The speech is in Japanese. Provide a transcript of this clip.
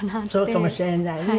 そうかもしれないね。